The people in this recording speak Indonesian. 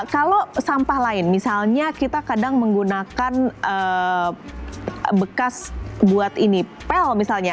kalau sampah lain misalnya kita kadang menggunakan bekas buat ini pel misalnya